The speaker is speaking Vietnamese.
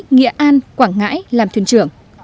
nghịa an quảng ngãi làm thuyền trưởng